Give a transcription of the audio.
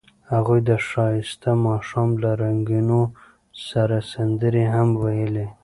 هغوی د ښایسته ماښام له رنګونو سره سندرې هم ویلې.